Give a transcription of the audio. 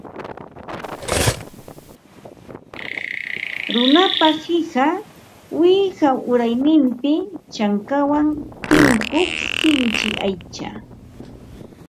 Runapa qipa wiqaw urayninpi chankawan tinkuq sinchi aycha